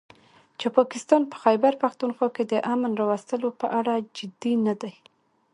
چې پاکستان په خيبرپښتونخوا کې د امن راوستلو په اړه جدي نه دی